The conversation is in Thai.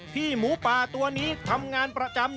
หมูป่าตัวนี้ทำงานประจำ